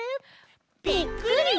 ぴっくり！